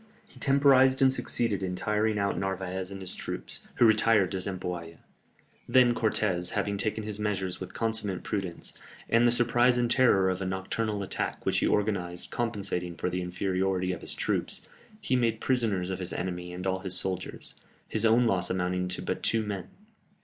He temporized and succeeded in tiring out Narvaez and his troops, who retired to Zempoalla. Then Cortès, having taken his measures with consummate prudence, and the surprise and terror of a nocturnal attack which he organized compensating for the inferiority of his troops, he made prisoners of his enemy and all his soldiers, his own loss amounting to but two men.